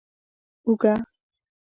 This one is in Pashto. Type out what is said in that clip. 🧄 اوږه